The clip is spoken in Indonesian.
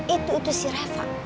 itu itu sih reva